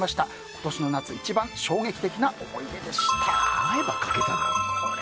今年の夏一番衝撃的な思い出でした。